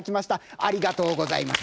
ありがとうございます。